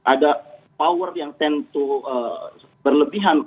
ada power yang tend to berlebihan